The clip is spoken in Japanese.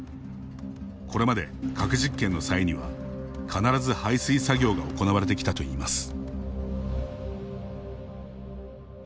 これまで核実験の際には必ず排水作業が行われてきたといいます。